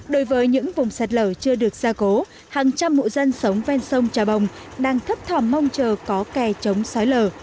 đối với những vùng sạt lở chưa được xa cố hàng trăm mụ dân sống vang sông trà bồng đang thấp thỏm mong chờ có kè chống xói lở